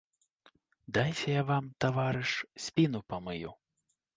Дайце я вам, таварыш, спіну памыю.